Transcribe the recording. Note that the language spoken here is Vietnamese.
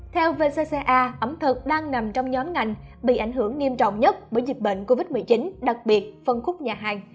theo vcca ẩm thực đang nằm trong nhóm ngành bị ảnh hưởng nghiêm trọng nhất bởi dịch bệnh covid một mươi chín đặc biệt phân khúc nhà hàng